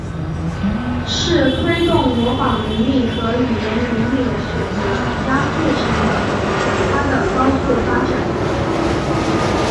是推动模仿能力和语言能力的选择压促成了它的高速发展。